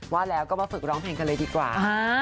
ว่าแล้วก็มาฝึกร้องเพลงกันเลยดีกว่า